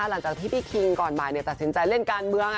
หลังจากที่พี่คิงก่อนใหม่ตัดสินใจเล่นการเมือง